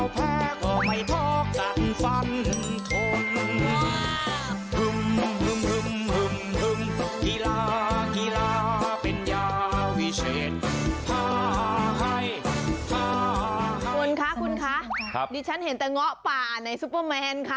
คุณคะคุณคะดิฉันเห็นแต่เงาะป่าในซุปเปอร์แมนค่ะ